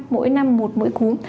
mỗi năm một mỗi cúm